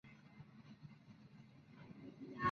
¿no viviré?